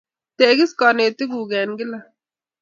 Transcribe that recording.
Tegis kanetikuk eng' kila